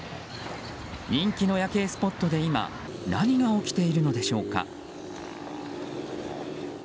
人気の夜景スポットで今、何が起きているのでしょうか。